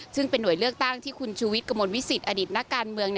ซึ่งเป็นหน่วยเลือกตั้งที่คุณชูวิทย์กระมวลวิสิตอดิตนักการเมือง